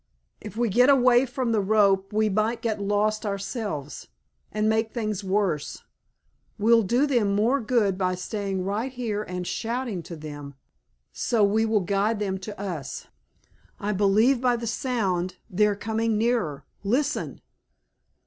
"If we get away from the rope we might get lost ourselves, and make things worse. We'll do them more good by staying right here and shouting to them so we will guide them to us. I believe by the sound they're coming nearer. Listen!"